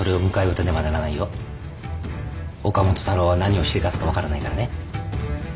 岡本太郎は何をしでかすか分からないからね。